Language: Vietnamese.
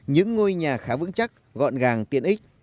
những ngôi nhà khá vững chắc gọn gàng tiện ích